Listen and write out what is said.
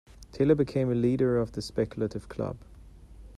Taylor became a leader of the Speculative Club.